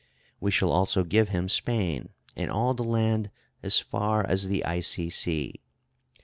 We shall also give him Spain and all the land as far as the icy sea.